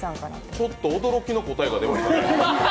ちょっと驚きの答えが出ましたね。